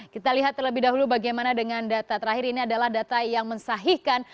kita lihat terlebih dahulu bagaimana dengan data terakhir ini adalah data yang mensahikan